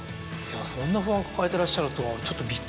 そんな不安抱えてらっしゃるとはちょっとびっくりでしたね。